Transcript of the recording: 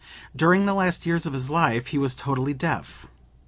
During the last years of his life he was totally deaf.